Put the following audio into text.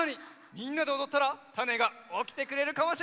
みんなでおどったらタネがおきてくれるかもしれない！